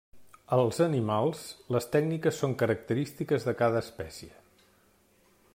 Als animals, les tècniques són característiques de cada espècie.